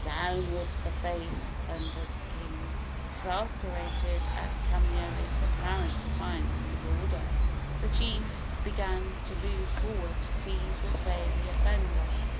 "Downward the face!" thundered the king, exasperated at Kamaiole's apparent defiance of his order. The chiefs began to move forward to seize or slay the offender.